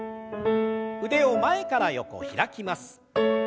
腕を前から横開きます。